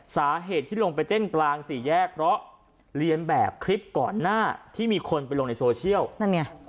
สาเหตุที่ลงไปเต้นกลางสี่แยกเพราะเรียนแบบคลิปก่อนหน้าที่มีคนไปลงในโซเชียลนั่นไง